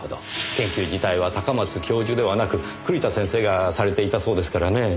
研究自体は高松教授ではなく栗田先生がされていたそうですからね。